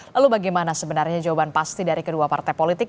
lalu bagaimana sebenarnya jawaban pasti dari kedua partai politik